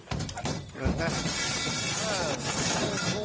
มาอะ